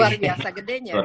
luar biasa gedenya